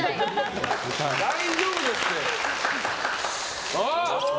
大丈夫ですって。